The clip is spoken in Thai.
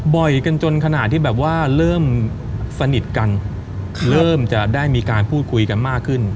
บ่อยกันจนขนาดที่แบบว่าเริ่มสนิทกันเริ่มจะได้มีการพูดคุยกันมากขึ้น